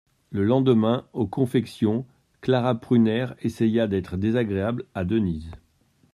Le lendemain, aux confections, Clara Prunaire essaya d'être désagréable à Denise.